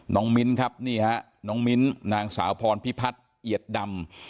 มิ้นครับนี่ฮะน้องมิ้นนางสาวพรพิพัฒน์เอียดดำ